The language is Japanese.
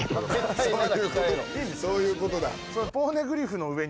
そういうことだ。